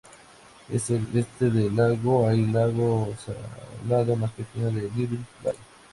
Al este del lago hay lago salado más pequeño, en Little Bay.